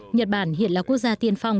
nhật bản hiện là quốc gia tiên phong